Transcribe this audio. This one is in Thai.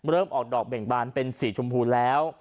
ออกดอกเบ่งบานเป็นสีชมพูแล้ว